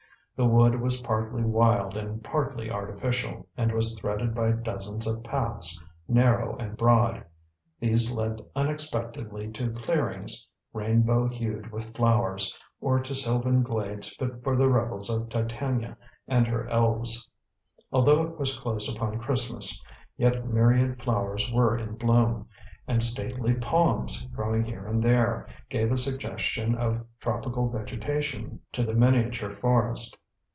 The wood was partly wild and partly artificial, and was threaded by dozens of paths, narrow and broad. These led unexpectedly to clearings, rainbow hued with flowers, or to sylvan glades fit for the revels of Titania and her elves. Although it was close upon Christmas, yet myriad flowers were in bloom, and stately palms, growing here and there, gave a suggestion of tropical vegetation to the miniature forest.